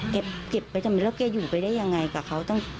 เก็บไปทำไมแล้วแกอยู่ไปได้ยังไงกับเขาตั้ง